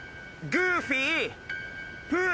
グーフィー。